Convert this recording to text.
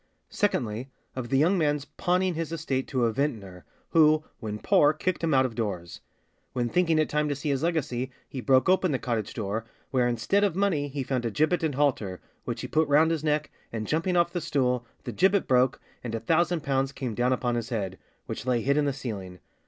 Secondly, of the young man's pawning his estate to a vintner, who, when poor, kicked him out of doors; when thinking it time to see his legacy, he broke open the cottage door, where instead of money he found a gibbet and halter, which he put round his neck, and jumping off the stool, the gibbet broke, and a thousand pounds came down upon his head, which lay hid in the ceiling.